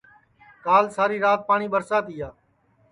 کال ساری رات پاٹؔی ٻرسا تیا